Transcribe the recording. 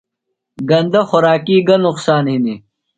گندہ خوراکی گہ نقصان ہنیۡ؟